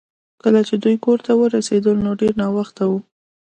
کله چې دوی کور ته ورسیدل نو ډیر ناوخته و